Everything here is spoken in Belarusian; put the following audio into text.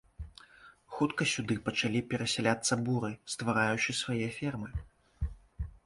Хутка сюды пачалі перасяляцца буры, ствараючы свае фермы.